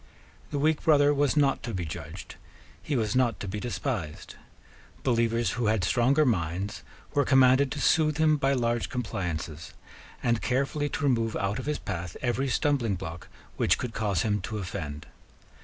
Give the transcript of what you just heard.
The weak brother was not to be judged: he was not to be despised: believers who had stronger minds were commanded to soothe him by large compliances, and carefully to remove out of his path every stumbling block which could cause him to offend.